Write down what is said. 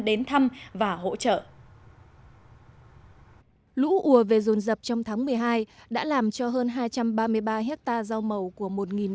đến thăm và hỗ trợ lũ ùa về dồn dập trong tháng một mươi hai đã làm cho hơn hai trăm ba mươi ba hectare rau màu của một ba trăm bốn mươi bảy